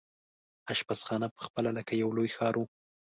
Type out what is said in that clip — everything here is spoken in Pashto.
اشپزخانه پخپله لکه یو لوی ښار وو.